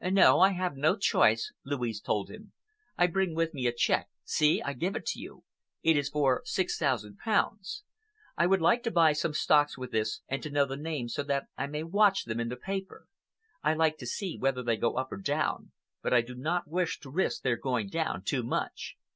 "No, I have no choice," Louise told him. "I bring with me a cheque,—see, I give it to you,—it is for six thousand pounds. I would like to buy some stocks with this, and to know the names so that I may watch them in the paper. I like to see whether they go up or down, but I do not wish to risk their going down too much.